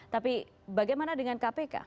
tapi bagaimana dengan kpk